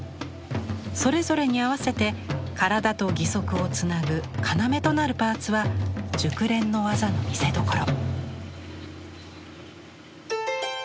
それぞれに合わせて体と義足をつなぐ要となるパーツは熟練の技の見せどころ。